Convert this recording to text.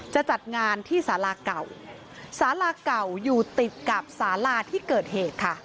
จะจัดงานที่สาราเก่าสาราเก่าอยู่ติดกับสาลาที่เกิดเหตุค่ะ